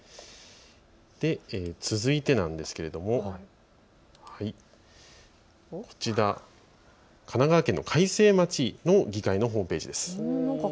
続いてなんですけれどこちら、神奈川県の開成町の議会のホームページです。